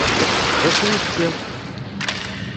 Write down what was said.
Dacu i teččiḍ?